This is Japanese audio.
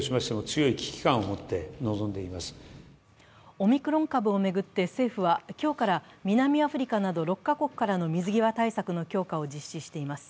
オミクロン株を巡って政府は、今日から南アフリカなど６カ国からの水際対策の強化を実施しています。